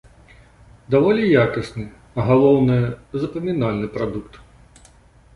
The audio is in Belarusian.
Даволі якасны, а галоўнае, запамінальны прадукт.